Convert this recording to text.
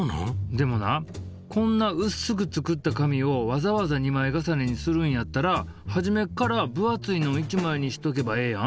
でもなこんなうっすく作った紙をわざわざ２枚重ねにするんやったら初めっから分厚いの１枚にしとけばええやん？